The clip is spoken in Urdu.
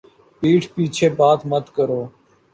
پِیٹھ پیچھے بات مت کرو